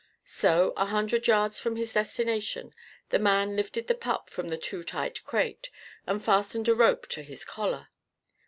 So, a hundred yards from his destination, the man lifted the pup from the too tight crate and fastened a rope to his collar.